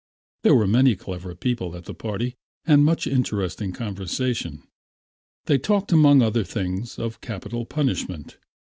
There were many clever people at the party and much interesting conversation. They talked among other things of capital punishment.